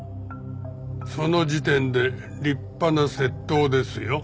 その時点で立派な窃盗ですよ。